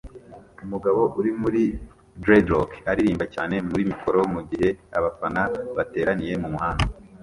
Umugabo uri muri dreadlock aririmba cyane muri mikoro mugihe abafana bateraniye mumuhanda